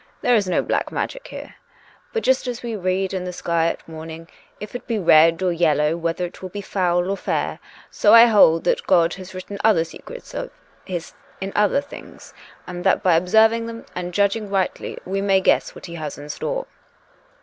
There is no black magic here. But, just as we read in the sky at morning, if it be red or yel low, whether it will be foul or fair, so I hold that God has written other secrets of His in other things; and that by observing them and judging rightly we may guess what He has in store.